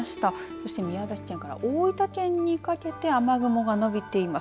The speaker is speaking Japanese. そして宮崎県から大分県にかけて雨雲が伸びています。